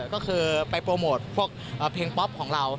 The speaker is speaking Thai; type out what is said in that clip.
ก็คือไปโปรโมทพวกเพลงป๊อปของเรา